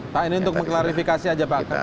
pak ini untuk mengklarifikasi aja pak